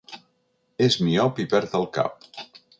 És miop i perd el cap.